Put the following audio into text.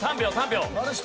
３秒３秒！